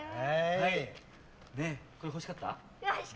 これ欲しかった？